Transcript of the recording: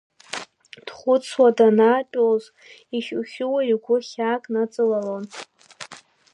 Дхәыцуа данаатәалоз ихьухьууа игәы хьаак ныҵалалон…